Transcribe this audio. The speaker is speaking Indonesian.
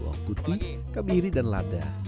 bawang putih kabiri dan lada